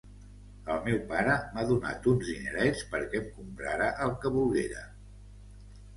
El meu pare m'ha donat uns dinerets perquè em comprara el que volguera.